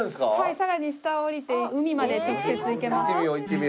さらに下へ下りて海まで直接行けます。